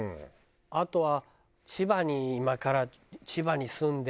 あとは。